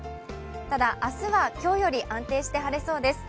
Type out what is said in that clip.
ただ、明日は今日より安定して晴れそうです。